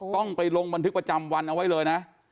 ต้องไปลงบันทึกประจำวันเอาไว้เลยนะ